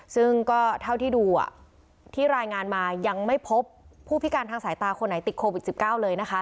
ซึ่งก็เท่าที่ดูที่รายงานมายังไม่พบผู้พิการทางสายตาคนไหนติดโควิด๑๙เลยนะคะ